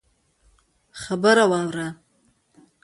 خبره واوره!